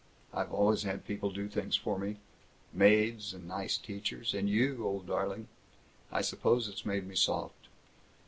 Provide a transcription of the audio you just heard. I've always had people to do things for me. Maids and nice teachers and you, old darling! I suppose it's made me soft.